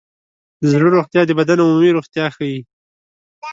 د زړه روغتیا د بدن عمومي روغتیا ښيي.